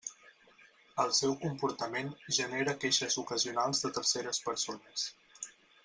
El seu comportament genera queixes ocasionals de terceres persones.